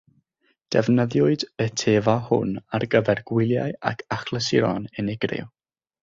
Defnyddiwyd y tevah hwn ar gyfer gwyliau ac achlysuron unigryw.